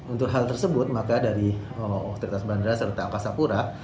untuk hal tersebut maka dari otoritas bandara serta akasapura